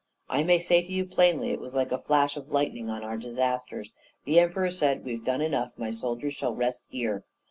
I may say to you plainly, it was like a flash of lightning on our disasters. The Emperor said, 'We have done enough; my soldiers shall rest here.'